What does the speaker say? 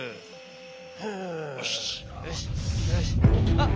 あっ！